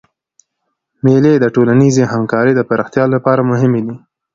مېلې د ټولنیزي همکارۍ د پراختیا له پاره مهمي دي.